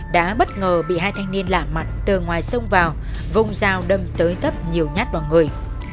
đã bất ngờ bị hai thanh niên lạ mặt từ ngoài sông vào vùng rào đâm tới tấp nhiều nhát bằng người